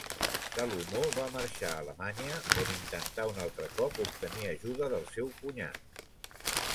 Salomó va marxar a Alemanya, on intentà un altre cop obtenir ajuda del seu cunyat.